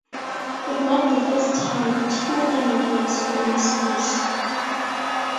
It marked the first time two Canadians were in space.